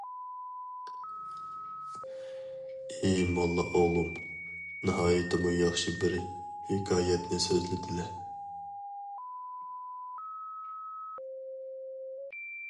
ئى موللا ئوغلۇم، ناھايىتىمۇ ياخشى بىر ھېكايەتنى سۆزلىدىلە.